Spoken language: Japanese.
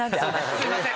すいません。